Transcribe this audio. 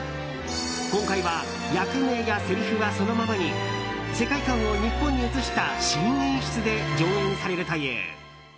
今回は役名や、せりふはそのままに世界観を日本に移した新演出で上演されるという。